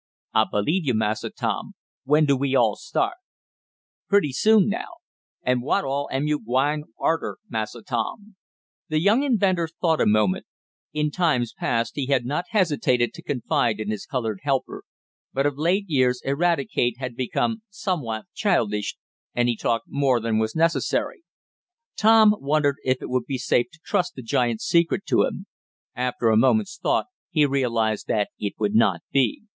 "I believe you, Massa Tom. When do we all start?" "Pretty soon now." "An' what all am yo' gwine arter, Massa Tom?" The young inventor thought a moment. In times past he had not hesitated to confide in his colored helper, but of late years Eradicate had become somewhat childish, and he talked more than was necessary. Tom wondered whether it would be safe to trust the giant secret to him. After a moment's thought he realized that it would not be.